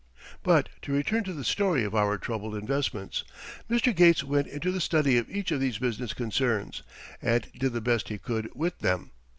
But to return to the story of our troubled investments: Mr. Gates went into the study of each of these business concerns, and did the best he could with them.